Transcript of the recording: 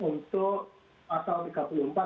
untuk pasal tiga puluh empat yang dibatalkan oleh putusan ma